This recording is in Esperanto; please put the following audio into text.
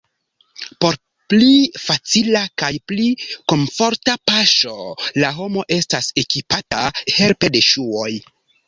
Por pli facila kaj pli komforta paŝo la homo estas ekipita helpe de ŝuoj.